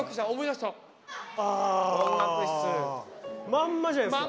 まんまじゃないですか。